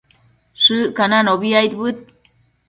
Shëccananobi aidbëd